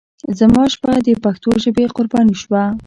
زما شپه د پښتو ژبې قرباني شوه.